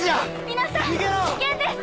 皆さん危険です！